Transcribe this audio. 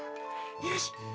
よし！